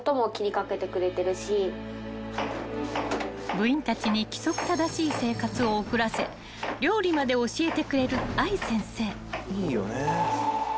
［部員たちに規則正しい生活を送らせ料理まで教えてくれる愛先生］